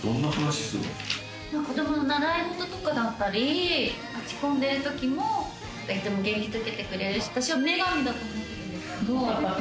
子どもの習い事とかだったり、落ち込んでるときも元気づけてくれるし、私は女神だと思ってるんですけど。